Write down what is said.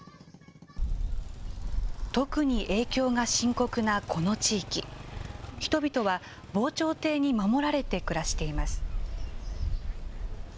特に影響が深刻なこの地域、人々は防潮堤に守られて暮らしています。